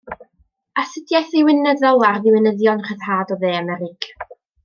Astudiaeth ddiwinyddol ar ddiwinyddion rhyddhad o Dde Amerig.